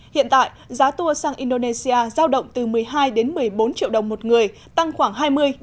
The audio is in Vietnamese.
hiện tại giá tour sang indonesia giao động từ một mươi hai một mươi bốn triệu đồng một người tăng khoảng hai mươi hai mươi năm